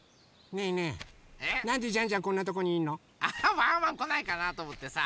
ワンワンこないかなとおもってさ